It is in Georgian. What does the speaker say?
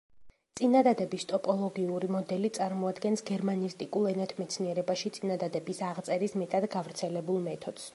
წინადადების ტოპოლოგიური მოდელი წარმოადგენს გერმანისტიკულ ენათმეცნიერებაში წინადადების აღწერის მეტად გავრცელებულ მეთოდს.